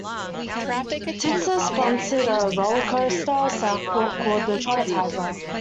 Tizer sponsored a roller coaster in Southport called the "Traumatizer".